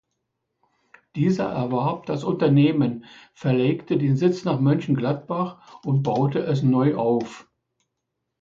Dieser erwarb das Unternehmen, verlegte den Sitz nach Mönchengladbach und baute es neu auf.